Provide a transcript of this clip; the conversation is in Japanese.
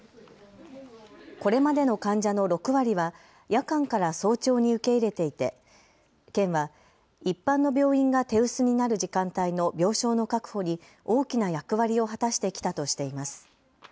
これまでの患者の６割は夜間から早朝に受け入れていて県は一般の病院が手薄になる時間帯の病床の確保に大きな役割を果たしてきたとしています。